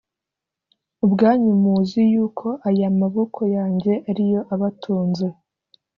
ubwanyu muzi yuko aya maboko yanjye ari yo abatunze